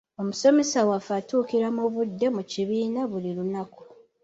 Omusomesa waffe atuukira mu budde mu kibiina buli lunaku.